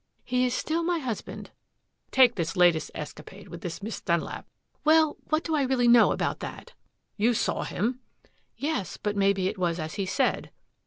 "He is still my husband." "Take this latest escapade with this Miss Dunlap." "Well, what do I really know about that?" "You saw him." "Yes, but maybe it was as he said."